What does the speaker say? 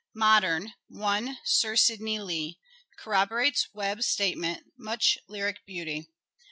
Modern : 1. Sir Sidney Lee. Corroborates Webbe's statement — much lyric beauty.